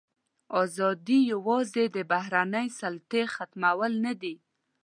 ازادي یوازې د بهرنۍ سلطې ختمول نه دي.